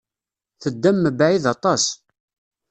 Teddam mebɛid aṭas.